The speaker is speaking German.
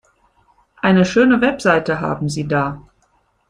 Eine schöne Website haben Sie da.